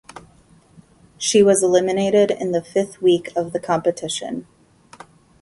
She was eliminated in the fifth week of the competition.